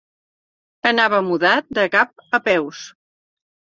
Anava mudat de cap a peus.